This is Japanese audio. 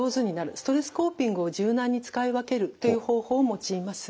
ストレスコーピングを柔軟に使い分けるという方法を用います。